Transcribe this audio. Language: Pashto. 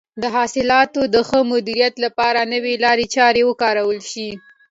د حاصلاتو د ښه مدیریت لپاره نوې لارې چارې وکارول شي.